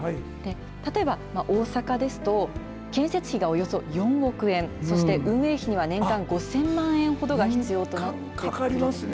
例えば、大阪ですと、建設費がおよそ４億円、そして運営費には年間５０００万円ほどが必要となってくる。